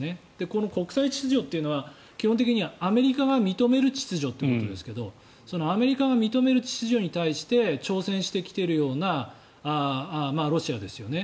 この国際秩序っていうのは基本的にはアメリカが認める秩序ってことですがアメリカが認める秩序に対して挑戦してきているようなロシアですよね。